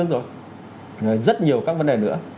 rồi rất nhiều các vấn đề nữa